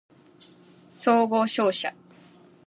総合商社